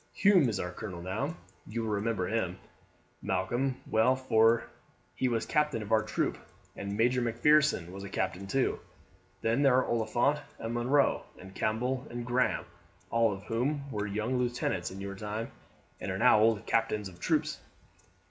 Hume is our colonel now; you will remember him, Malcolm, well, for he was captain of our troop; and Major Macpherson was a captain too. Then there are Oliphant, and Munroe, and Campbell, and Graham, all of whom were young lieutenants in your time, and are now old captains of troops."